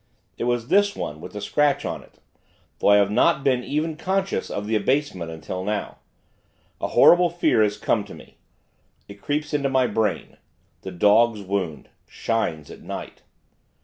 It was this one, with the scratch on it; though I have not been even conscious of the abasement, until now. A horrible fear has come to me. It creeps into my brain the dog's wound, shines at night.